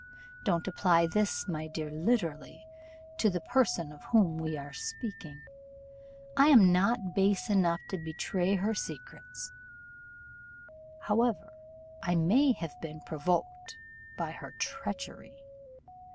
Don't apply this, my dear, literally, to the person of whom we were speaking; I am not base enough to betray her secrets, however I may have been provoked by her treachery.